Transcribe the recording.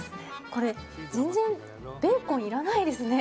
これ、全然ベーコンいらないですね。